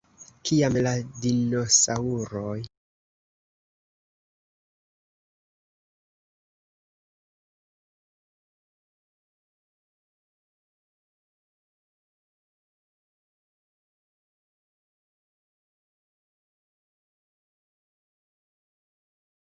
La retejo estas kompleta.